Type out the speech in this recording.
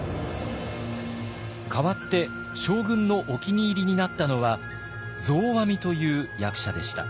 代わって将軍のお気に入りになったのは増阿弥という役者でした。